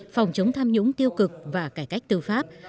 phòng chống tham nhũng tiêu cực và cải cách tư pháp